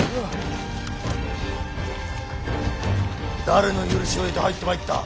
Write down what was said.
誰の許しを得て入ってまいった。